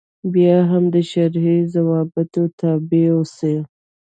بیا هم د شرعي ضوابطو تابع اوسي.